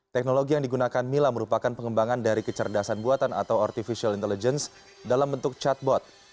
teknologi yang digunakan mila merupakan pengembangan dari kecerdasan buatan atau artificial intelligence dalam bentuk chatbot